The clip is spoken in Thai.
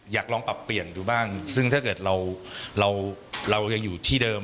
อยากลองปรับเปลี่ยนดูบ้างซึ่งถ้าเกิดเราเรายังอยู่ที่เดิม